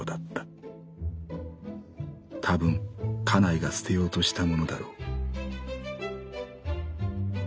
たぶん家内が捨てようとしたものだろう」。